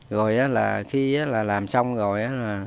rồi là khi là làm xong rồi